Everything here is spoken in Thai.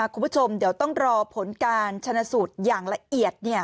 คุณผู้ชมเดี๋ยวต้องรอผลการชนะสูตรอย่างละเอียด